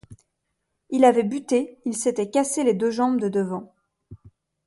Il avait buté, il s'était cassé les deux jambes de devant.